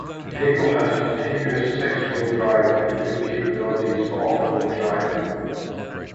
The vehicle has continuous six wheel drive and good capabilities for off-road driving.